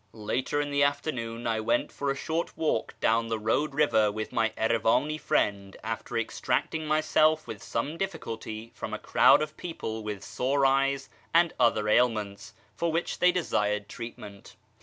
Later in the afternoon I went for a short walk down the road river with my Erivani friend, after extricating myself with some difliculty from a crowd of people with sore eyes and other ailments for which they desired treatment.